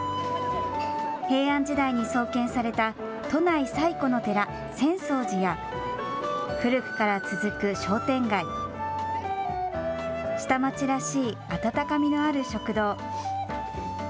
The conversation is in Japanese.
平安時代に創建された都内最古の寺、浅草寺や古くから続く商店街、下町らしい温かみのある食堂。